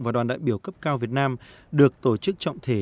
và đoàn đại biểu cấp cao việt nam được tổ chức trọng thể